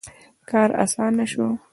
• کار آسانه شو.